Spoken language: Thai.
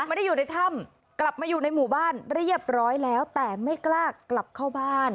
ไม่ได้อยู่ในถ้ำกลับมาอยู่ในหมู่บ้านเรียบร้อยแล้วแต่ไม่กล้ากลับเข้าบ้าน